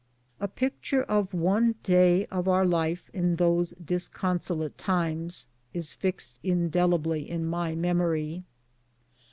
A picture of one day of our life in those disconsolate times is fixed indelibly in my memory.